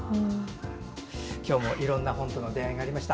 今日もいろいろな本との出会いがありました。